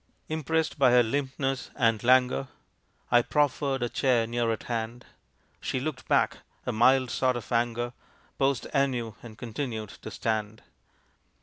Impressed by her limpness and languor, I proffered a chair near at hand; She looked back a mild sort of anger Posed anew, and continued to stand.